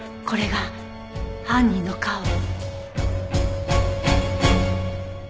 これが犯人の顔。